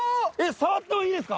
触ってもいいですか。